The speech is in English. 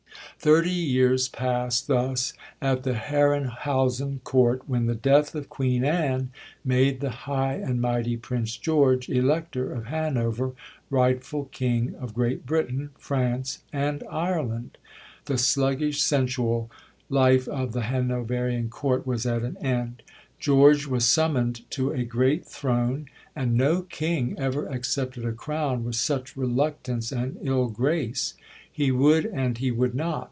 Thirty years passed thus at the Herrenhausen Court, when the death of Queen Anne made "the high and mighty Prince George, Elector of Hanover, rightful King of Great Britain, France and Ireland." The sluggish sensual life of the Hanoverian Court was at an end. George was summoned to a great throne, and no King ever accepted a crown with such reluctance and ill grace. He would, and he would not.